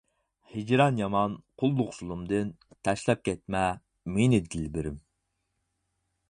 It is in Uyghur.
ھىجران يامان قۇللۇق زۇلۇمدىن، تاشلاپ كەتمە مېنى دىلبىرىم.